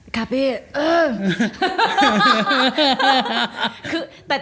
ค่ะพี่เอิ่ม